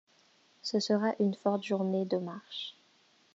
Ce sera une forte journée de marche.